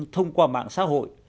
thông qua mạng xã hội